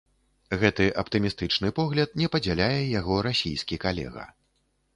Гэты аптымістычны погляд не падзяляе яго расійскі калега.